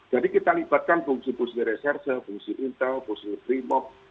jadi kita libatkan fungsi fungsi reserse fungsi intel fungsi primok